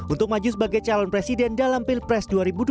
untuk maju sebagai calon presiden dalam pilpres dua ribu dua puluh